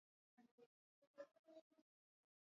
watu wanaoweka ambayo wakienda wakienda nssf ppf